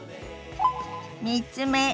３つ目。